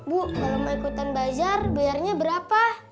bu kalau mau ikutan bazar bayarnya berapa